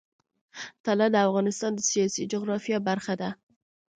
طلا د افغانستان د سیاسي جغرافیه برخه ده.